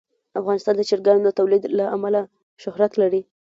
افغانستان د چرګانو د تولید له امله شهرت لري.